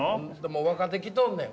もう若手来とんねん。